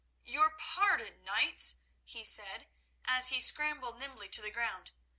"Your pardon, knights," he said as he scrambled nimbly to the ground.